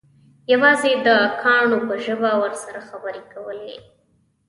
یوازې د کاڼو په ژبه ورسره خبرې کولې.